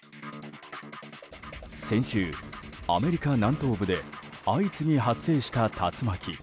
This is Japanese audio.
先週、アメリカ南西部で相次ぎ発生した竜巻。